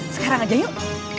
sekarang aja yuk